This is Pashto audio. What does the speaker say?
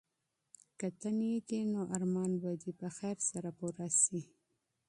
که ته نېک یې نو ارمان به دي په خیر سره پوره سي.